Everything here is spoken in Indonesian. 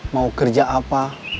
mau kerja apa